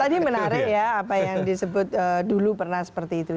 tadi menarik ya apa yang disebut dulu pernah seperti itu